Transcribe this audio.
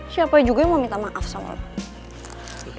siapa juga yang mau minta maaf sama allah